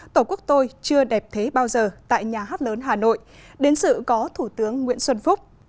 tổ quốc tôi chưa đẹp thế bao giờ tại nhà hát lớn hà nội đến sự có thủ tướng nguyễn xuân phúc